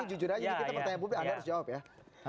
ini jujur aja kita bertanya tanya anda harus jawab ya